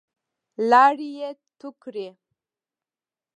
لاړې يې تو کړې.